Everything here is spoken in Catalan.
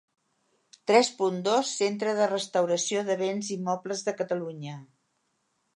Tres punt dos Centre de Restauració de Béns i Mobles de Catalunya.